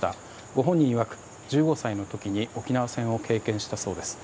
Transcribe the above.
ご本人いわく１５歳の時に沖縄戦を経験したそうです。